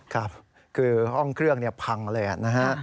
ครับคือห้องเครื่องพังเลยนะฮะ